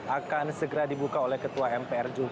akan segera dibuka oleh ketua mpr juh pihak